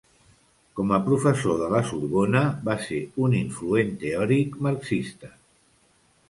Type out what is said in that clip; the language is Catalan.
Com a professor de La Sorbona, va ser un influent teòric marxista.